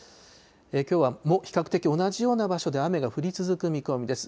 きょうは比較的同じような場所で雨が降り続く見込みです。